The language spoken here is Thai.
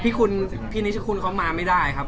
พี่นิชคุณเขามาไม่ได้ครับ